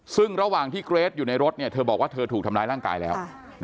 ซึ่งระหว่างที่เกรทอยู่ในรถเธอบอกว่าเธอถูกทำร้ายร่างกายแล้ว